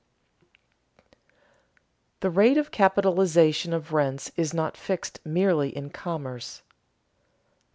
[Sidenote: The rate of capitalization of rents is not fixed merely in commerce] 3.